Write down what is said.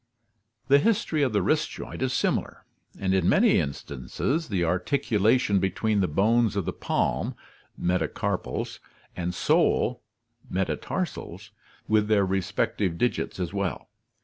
The history of the wrist joint is similar, and in many instances the articulation between the bones of the palm (metacarpals) and sole (metatarsals) with their respective digits as well.